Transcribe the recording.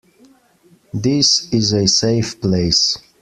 This is a safe place.